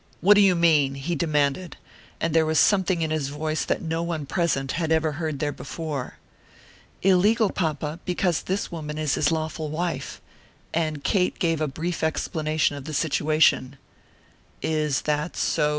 What do you mean?" he demanded, and there was something in his voice that no one present had ever heard there before. "Illegal, papa, because this woman is his lawful wife." And Kate gave a brief explanation of the situation. "Is that so?"